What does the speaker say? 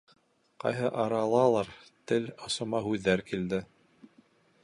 Ҡайһы аралалыр тел осома һүҙҙәр килде: